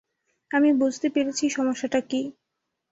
আমি বুঝতে পেরেছি সমস্যাটা কী।